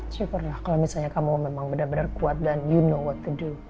syukurlah kalau misalnya kamu memang benar benar kuat dan you know what the do